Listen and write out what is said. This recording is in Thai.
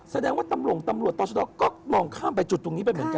แสดงว่าตำรวจต่อชะดอกก็มองข้ามไปจุดตรงนี้ไปเหมือนกัน